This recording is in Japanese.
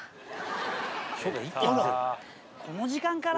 この時間から？